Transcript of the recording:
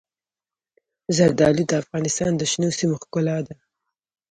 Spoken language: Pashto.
زردالو د افغانستان د شنو سیمو ښکلا ده.